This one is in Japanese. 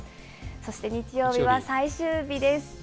そして日曜日は最終日です。